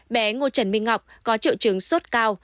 bé ngô trần minh ngọc có triệu chứng sốt cao